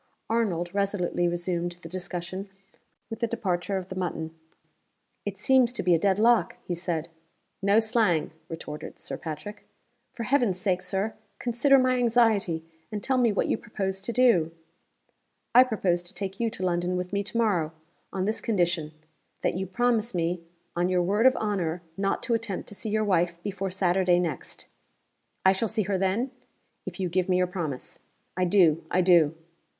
Arnold resolutely resumed the discussion with the departure of the mutton. "It seems to be a dead lock," he said. "No slang!" retorted Sir Patrick. "For Heaven's sake, Sir, consider my anxiety, and tell me what you propose to do!" "I propose to take you to London with me to morrow, on this condition that you promise me, on your word of honor, not to attempt to see your wife before Saturday next." "I shall see her then?" "If you give me your promise." "I do! I do!"